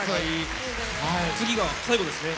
次が最後ですね。